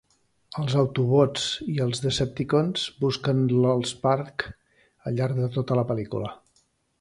Els 'autobots' i els 'decepticons' busquen l'AllSpark al llarg de tota la pel·lícula.